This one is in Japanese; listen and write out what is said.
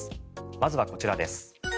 まずはこちらです。